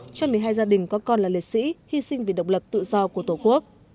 cho một mươi hai gia đình có con là liệt sĩ hy sinh vì độc lập tự do của tổ quốc